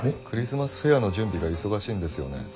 クリスマスフェアの準備が忙しいんですよね？